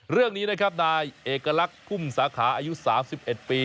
เรื่องนี้นะครับนายเอกลักษณ์คุมสาขาอายุสามสิบเอ็ดปี